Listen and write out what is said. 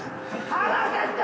離せって！